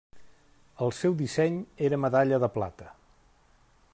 El seu disseny era medalla de plata.